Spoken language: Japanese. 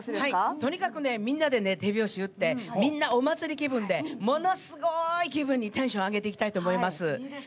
とにかくみんなで手拍子振ってみんなお祭り気分でものすごい気分にテンション上げていきたいと思います。